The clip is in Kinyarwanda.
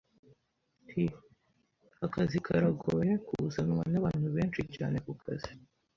[T] Akazi karagoye kuzanwa nabantu benshi cyane kukazi.